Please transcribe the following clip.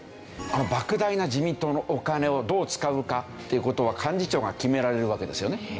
あの莫大な自民党のお金をどう使うかという事は幹事長が決められるわけですよね。